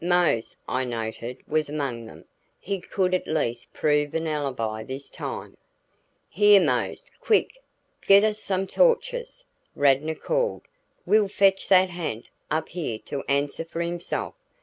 Mose, I noted, was among them; he could at least prove an alibi this time. "Here Mose, quick! Get us some torches," Radnor called. "We'll fetch that ha'nt up here to answer for himself.